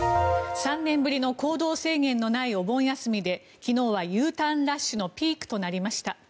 ３年ぶりの行動制限のないお盆休みで昨日はＵターンラッシュのピークとなりました。